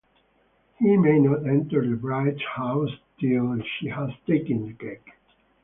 He may not enter the bride's house till she has taken the cake.